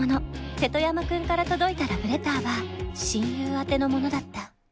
瀬戸山君から届いたラブレターは親友宛てのものだった。